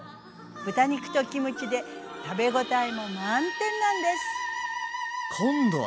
豚肉とキムチで食べ応えも満点なんです！